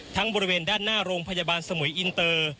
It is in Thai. บริเวณด้านหน้าโรงพยาบาลสมุยอินเตอร์